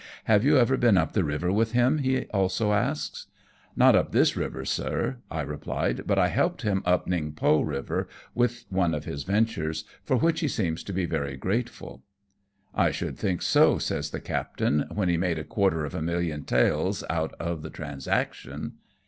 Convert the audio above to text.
"Have you ever been up tlie river with him ?" he also asks. " Not up this river, sir,'' I reply, " but I helped him up Ningpo river with one of his ventures, for which he seems to be very grateful." " I should think so," says the captain, " when he made a quarter of a million taels out of the transac tion."